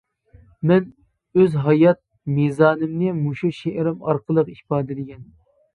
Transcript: مەن ئۆز ھايات مىزانىمنى مۇنۇ شېئىرىم ئارقىلىق ئىپادىلىگەن.